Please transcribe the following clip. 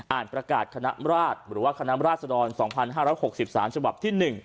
ประกาศคณะราชหรือว่าคณะราชดร๒๕๖๓ฉบับที่๑